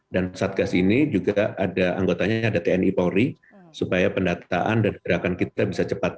dan satgas ini juga ada anggotanya ada tni pori supaya pendataan dan gerakan kita bisa cepat